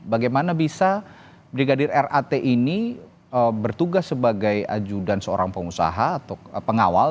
bagaimana bisa brigadir rat ini bertugas sebagai ajudan seorang pengusaha atau pengawal